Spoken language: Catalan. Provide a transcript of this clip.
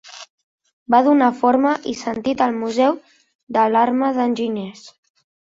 Va donar forma i sentit al Museu de l’Arma d’Enginyers.